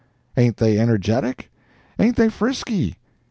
—ain't they energetic?—ain't they frisky?